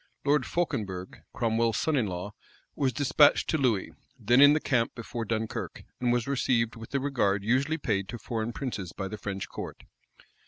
Lord Fauconberg, Cromwell's son in law, was despatched to Louis, then in the camp before Dunkirk; and was received with the regard usually paid to foreign princes by the French court.